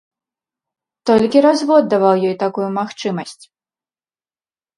Толькі развод даваў ёй такую магчымасць.